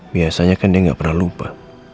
biasanya kan dia nggak pernah lupa